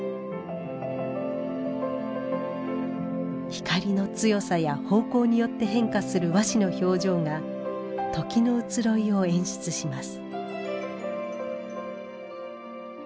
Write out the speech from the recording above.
光の強さや方向によって変化する和紙の表情が時の移ろいを演出します。